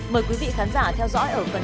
mời quý vị khán giả theo dõi ở phần